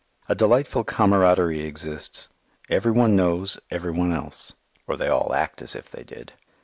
A delightful camaraderie exists; every one knows every one else, or they all act as if they did.